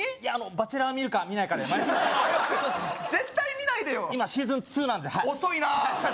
「バチェラー」を見るか見ないかで何迷ってんの絶対見ないでよ今シーズン２なんです遅いなあ